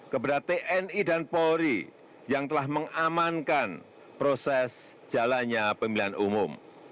terima kasih juga kepada tni dan polri yang telah mengamankan proses jalannya pemilihan umum